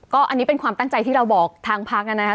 ก็อันนี้เป็นความตั้งใจที่เราบอกทางพักนะครับ